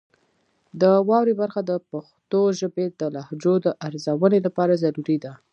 د واورئ برخه د پښتو ژبې د لهجو د ارزونې لپاره ضروري ده.